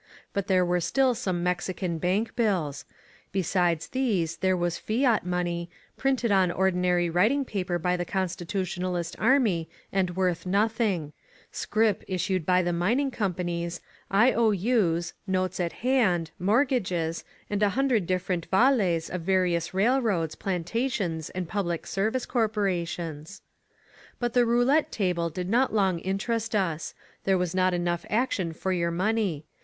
But there were still some Mexican bank« bills; besides those there was fiat money, printed on ordinary writing paper by the Constitutionalist army, and worth nothing; scrip issued by the mining com panies; I. O. U/s; notes of hand; mortgages; and a hundred different vaiUs of various railroads, planta tions, and public service corporations. But the roulette table did not long interest us. There was not enough action for your money.